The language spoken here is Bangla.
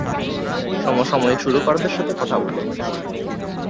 সমসাময়িক সুরকারদের সাথে কথা বলুন।